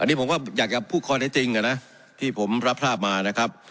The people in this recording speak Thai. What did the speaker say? อันนี้ผมก็อยากจะพูดคอนให้จริงกันนะที่ผมรับภาพมานะครับ